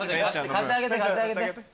買ってあげて買ってあげて。